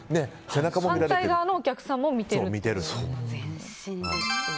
反対側もお客さんが見ていると。